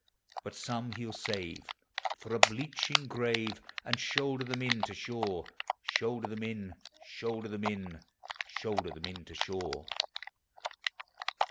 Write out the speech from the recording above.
385 But some he '11 save for a bleaching grave, And shoulder them in to shore, — Shoulder them in, shoulder them in, Shoulder them in to shore.